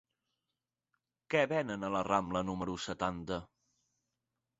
Què venen al la Rambla número setanta?